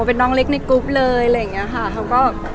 เป็นการมาตอบสื่อครั้งแรก